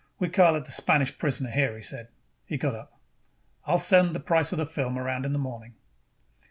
"We call it the Spanish Prisoner here," he said. He got up. "I will send the price of those films around in the morning."